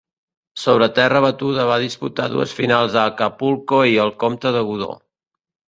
Sobre terra batuda van disputar dues finals a Acapulco i al Comte de Godó.